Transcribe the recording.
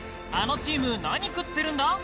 あのチーム何食ってるんだ？